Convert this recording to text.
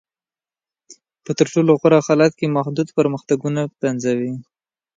په تر ټولو غوره حالت کې محدود پرمختګونه پنځوي.